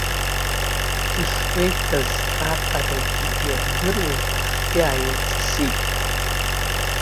Дышгәеиҭаз аҟарагьы ирдыруа ихгьы ааирҵысит.